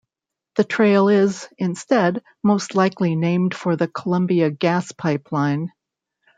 The trail is, instead, most likely named for the Columbia Gas Pipeline.